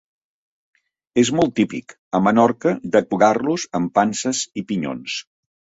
És molt típic, a Menorca, decorar-los amb panses i pinyons.